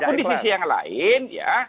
walaupun di sisi yang lain